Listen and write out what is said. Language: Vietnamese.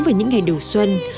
và những ngày đầu xuân